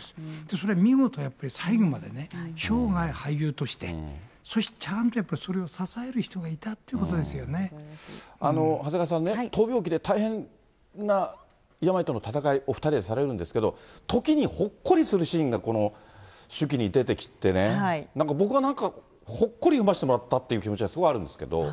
それは見事やっぱり最後までね、生涯俳優として、そしてちゃんとやっぱりそれを支える人がいたっ長谷川さんね、闘病記で大変な病との闘い、お２人でされるんですけれども、ときにほっこりするシーンがこの手記に出てきてね、なんか僕はなんか、ほっこり読ませてもらったって気持ちがすごいあるんですけれども。